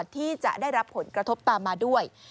ที่จะได้รับผลกระทบตามมาด้วย